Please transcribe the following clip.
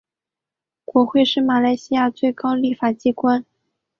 国会是马来西亚最高立法机关。